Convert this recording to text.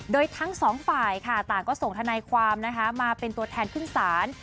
โดยทั้ง๒ฝ่ายต่างก็ส่งทนายความมาเป็นตัวแทนขึ้นสาร